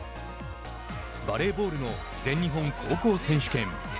バレーボールの全日本高校選手権。